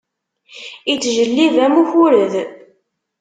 Ittjellib am ukured.